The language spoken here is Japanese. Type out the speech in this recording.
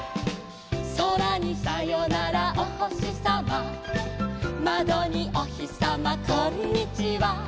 「そらにさよならおほしさま」「まどにおひさまこんにちは」